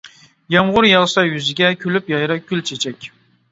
يامغۇر ياغسا يۈزىگە، كۈلۈپ يايرار گۈل-چېچەك.